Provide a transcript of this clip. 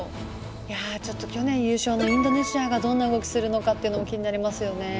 いや去年優勝のインドネシアがどんな動きするのかっていうのも気になりますよね。